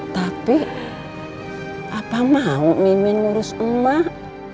tapi apa mau mimin ngurus emak